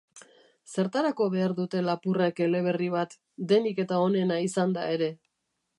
Zertarako behar dute lapurrek eleberri bat, denik eta onena izanda ere?